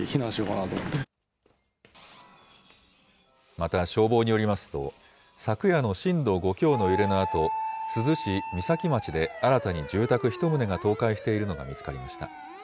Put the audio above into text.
また、消防によりますと、昨夜の震度５強の揺れのあと、珠洲市三崎町で新たに住宅１棟が倒壊しているのが見つかりました。